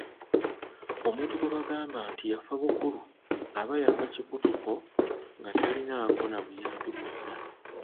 Omuntu gwe bagamba nti yafabukulu aba yafa kikutuko nga talinaako na buyambi bwonna.